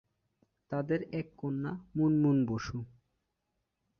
তাদের এক কন্যা মুনমুন বসু।